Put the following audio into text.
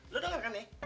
lo dengar kan nek